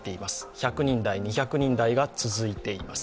１００人台、２００人台が続いています。